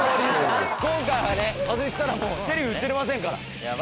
今回はね外したらもうテレビ映れませんから。